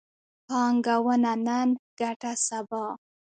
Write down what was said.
پانګونه نن، ګټه سبا